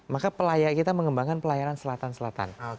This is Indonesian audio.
maka pelaya kita mengembangkan pelayaran selatan selatan